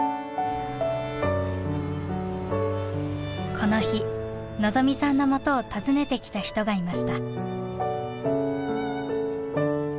この日望未さんのもとを訪ねてきた人がいました。